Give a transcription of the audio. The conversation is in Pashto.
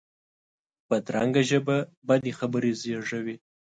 بدرنګه ژبه بدې خبرې زېږوي